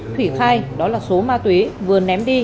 thủy khai đó là số ma túy vừa ném đi